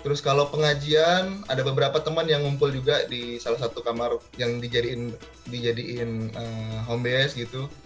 terus kalau pengajian ada beberapa teman yang ngumpul juga di salah satu kamar yang dijadikan home base gitu